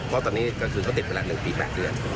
เพราะตอนนี้ก็คือเขาติดไปแล้ว๑ปี๘เดือน